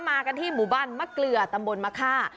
มากันที่หมู่บ้านมะเกลือตำบลมะค่า